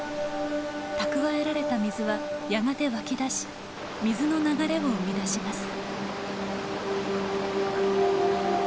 蓄えられた水はやがて湧き出し水の流れを生み出します。